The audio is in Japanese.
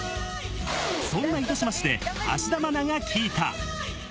そんな糸島市で芦田愛菜が聞いた。